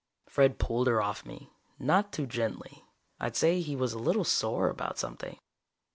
Fred pulled her off me, not too gently. I'd say he was a little sore about something.